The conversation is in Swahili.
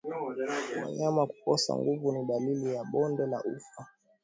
Wanyama kukosa nguvu ni dalili ya bonde la ufa